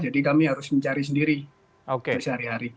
jadi kami harus mencari sendiri sehari hari